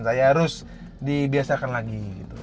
saya harus dibiasakan lagi